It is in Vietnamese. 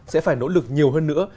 sẽ phải nỗ lực nhiều hơn nữa